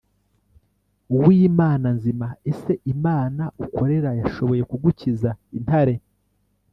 w imana nzima ese imana ukorera yashoboye kugukiza intare